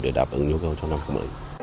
để đáp ứng nhu cầu cho năm hai nghìn hai mươi